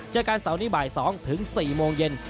เจอกันเสาร์นี้บ่าย๒ถึง๔โมงเย็น